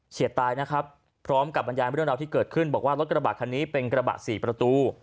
เฉียบตายนะครับพร้อมกับบรรยายมิดุนาทีเกิดขึ้นบอกว่ารถกระบาดคันนี้เป็นกระบะ๔ประตู